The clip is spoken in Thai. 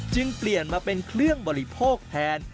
จึงเปลี่ยนมาเป็นเครื่องบริโภคแทน